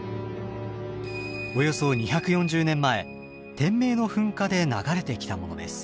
およそ２４０年前天明の噴火で流れてきたものです。